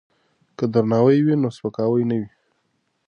که درناوی وي نو سپکاوی نه وي.